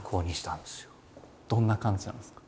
どんな感じなんですか？